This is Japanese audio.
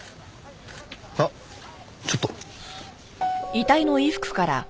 あっちょっと。